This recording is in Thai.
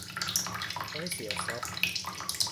ทำให้เสียทรัพย์